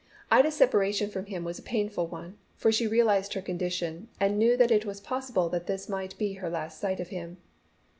Ida's separation from him was a painful one, for she realized her condition, and knew that it was possible that this might be her last sight of him.